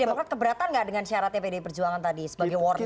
demokrat keberatan nggak dengan syaratnya pdi perjuangan tadi sebagai warning